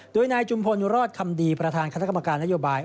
โดยนายจุมพลรอดคำดีประธานคณะกรรมการนโยบาย